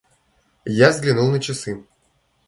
Я взглянул на часы.